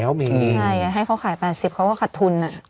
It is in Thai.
ใช่ให้เขาขาย๘๐เขาก็ขัดทุน